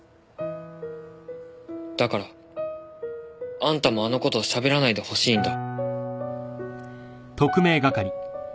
だからあんたもあの事喋らないでほしいんだ。